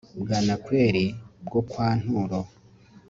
bwanakweli bwo kwa nturo